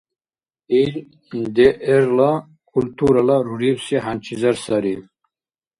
Ил ДР-ла культурала рурибси хӀянчизар сарри.